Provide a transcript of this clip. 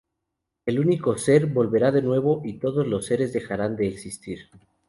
El Único Ser volverá de nuevo, y todos los seres dejarán de existir.